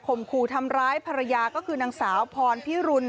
ขู่ทำร้ายภรรยาก็คือนางสาวพรพิรุณ